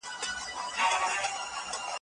هغه په خپلې مسودي باندې کار کوي.